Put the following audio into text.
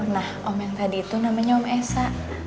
nah om yang tadi itu namanya om esa